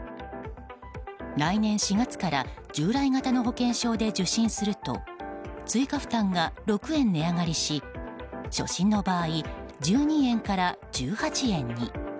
来年４月から従来型の保険証で受診すると追加負担が６円値上がりし初診の場合、１２円から１８円に。